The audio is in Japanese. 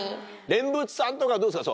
蓮佛さんとかどうですか？